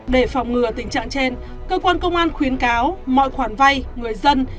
để phòng ngừa tình trạng trên cơ quan công an khuyến cáo mọi khoản vay người dân